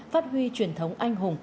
phát huy truyền thống anh hùng